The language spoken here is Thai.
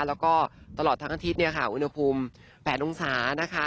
แล้วก็ตลอดทั้งอาทิตย์เนี่ยค่ะอุณหภูมิ๘องศานะคะ